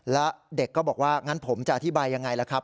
แล้วเด็กก็บอกว่างั้นผมจะอธิบายยังไงล่ะครับ